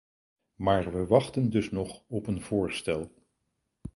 Maar we wachten dus nog op een voorstel.